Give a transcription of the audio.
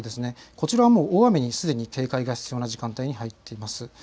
こちらはもうすでに大雨に警戒が必要な時間帯に入っています。